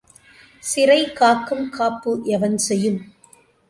சிறைகாக்கும் காப்பு எவன் செயும்?